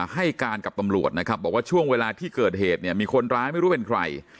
ให้การกับตำรวจนะครับบอกว่าช่วงเวลาที่เกิดเหตุเนี่ยมีคนร้ายไม่รู้เป็นใคร